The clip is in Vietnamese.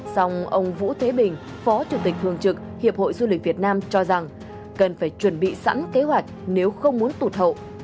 xong ông vũ thế bình phó chủ tịch thường trực hiệp hội du lịch việt nam cho rằng cần phải chuẩn bị sẵn kế hoạch nếu không muốn tụt hậu